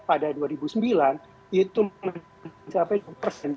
partai demokrat pada dua ribu sembilan itu mencapai sepuluh persen